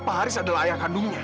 pak haris adalah ayah kandungnya